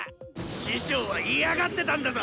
師匠は嫌がってたんだぞ！